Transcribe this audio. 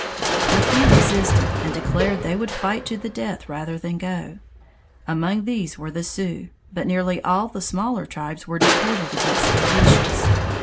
A few resisted, and declared they would fight to the death rather than go. Among these were the Sioux, but nearly all the smaller tribes were deported against their wishes.